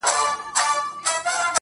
او په سترگو کې بلا اوښکي را ډنډ سوې.